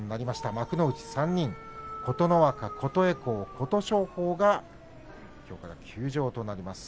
幕内３人琴ノ若、琴恵光、琴勝峰きょうから休場です。